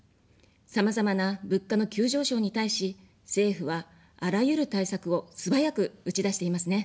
さまざまな物価の急上昇に対し、政府は、あらゆる対策を素早く打ち出していますね。